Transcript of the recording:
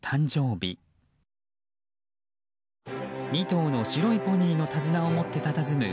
２頭の白いポニーの手綱を持ってたたずむ